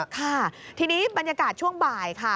ค่ะทีนี้บรรยากาศช่วงบ่ายค่ะ